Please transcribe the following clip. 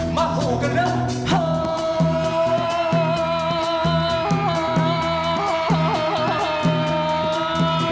มาห่วงกันแล้ว